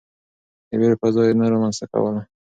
د وېرې فضا يې نه رامنځته کوله.